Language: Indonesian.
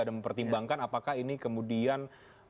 dan mempertimbangkan apakah ini kemudian